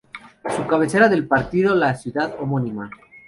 Es cabecera del partido la ciudad homónima.